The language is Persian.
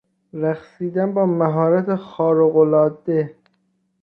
رقصیدن با مهارت خارق العاده